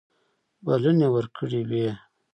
بلنې ورکړي وې.